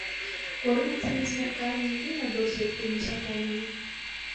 Кормяцца на змярканні і на досвітку насякомымі.